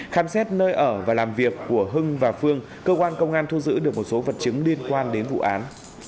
khám xét nơi ở và làm việc của hưng và phương cơ quan công an thu giữ được một số vật chứng liên quan đến vụ án